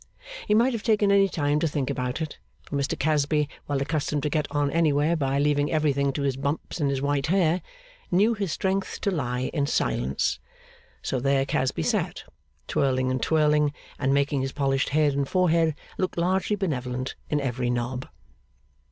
He might have taken any time to think about it, for Mr Casby, well accustomed to get on anywhere by leaving everything to his bumps and his white hair, knew his strength to lie in silence. So there Casby sat, twirling and twirling, and making his polished head and forehead look largely benevolent in every knob.